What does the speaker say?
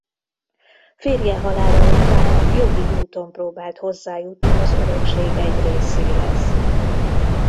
Férje halála után jogi úton próbált hozzájutni az örökség egy részéhez.